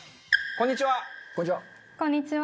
こんにちは。